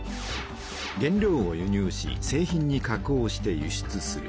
原料を輸入し製品に加工して輸出する。